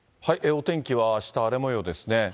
お天気はあした荒れもようですね。